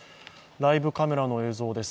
ライブカメラの映像です